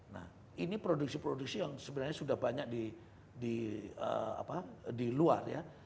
nah ini produksi produksi yang sebenarnya sudah banyak di luar ya